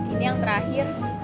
ini yang terakhir